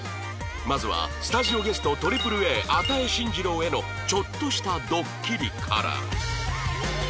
まずはスタジオゲスト ＡＡＡ 與真司郎へのちょっとしたドッキリから